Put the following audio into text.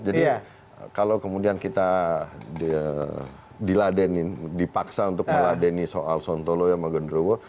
jadi kalau kemudian kita diladenin dipaksa untuk meladenin soal sontolo ya magendrobo